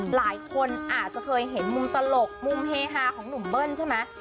หลายคนอาจจะเคยเห็นมุมตลกมุมเฮฮาของหนุ่มเบิ้ลใช่ไหม